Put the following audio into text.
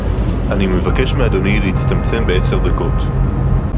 אני מבקש מאדוני להצטמצם בעשר דקות